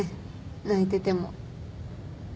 泣いてても。